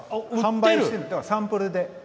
サンプルで。